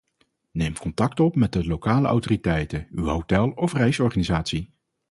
Neem contact op met de lokale autoriteiten, uw hotel of reisorganisatie.